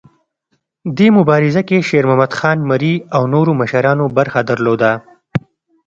دې مبارزه کې شیرمحمد خان مري او نورو مشرانو برخه درلوده.